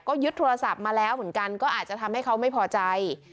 ก็ยึดโทรศัพท์มาแล้วเหมือนกันก็อาจจะทำให้เขาไม่พอใจ